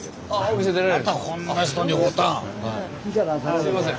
すいません。